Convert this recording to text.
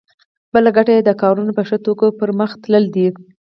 بله ګټه یې د کارونو په ښه توګه پرمخ تلل دي.